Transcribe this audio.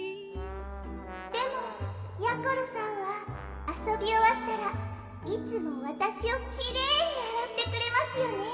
でもやころさんはあそびおわったらいつもわたしをきれいにあらってくれますよね。